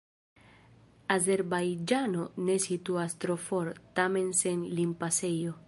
Azerbajĝano ne situas tro for, tamen sen limpasejo.